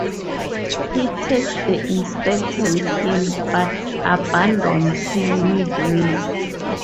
He takes the inspector with him but abandons him midway.